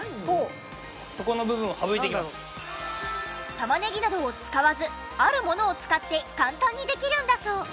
タマネギなどを使わずあるものを使って簡単にできるんだそう。